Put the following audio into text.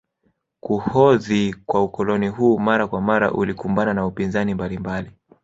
Kuhodhi kwa ukoloni huu mara kwa mara ulikumbana na upinzani mbalimbali